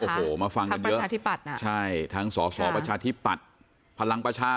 ผมจึงจำเป็นที่จะต้องตัดสินใจ